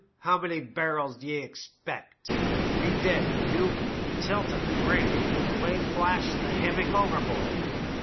how many burials d'ye expect, and be d d to you !* tilted the grating and away flashed the hammock overboard.